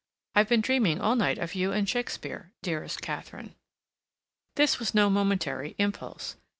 I've been dreaming all night of you and Shakespeare, dearest Katharine." This was no momentary impulse.